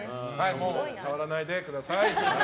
もう触らないでください。